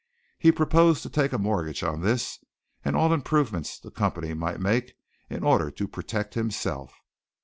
He proposed to take a mortgage on this and all improvements the company might make in order to protect himself.